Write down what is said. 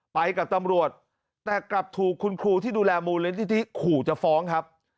ไปกับตำรวจแต่กลับถูกคุณครูที่ดูแลมูลนิธิขู่จะฟ้องครับ